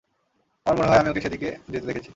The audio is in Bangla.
আমার মনে হয়, আমি ওকে সেদিকে যেতে দেখেছি।